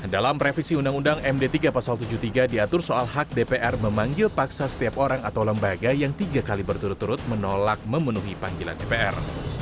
dalam revisi undang undang md tiga pasal tujuh puluh tiga diatur soal hak dpr memanggil paksa setiap orang atau lembaga yang tiga kali berturut turut menolak memenuhi panggilan dpr